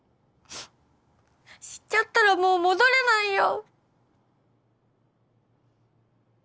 知っちゃったらもう戻れないよ。